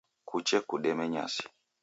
Kuche kudeme nyasi